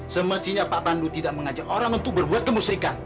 semestinya pak pandu tidak mengajak orang untuk berbuat kemusrikan